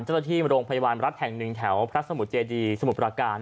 เจ้าหน้าที่โรงพยาบาลรัฐแห่งหนึ่งแถวพระสมุทรเจดีสมุทรประการ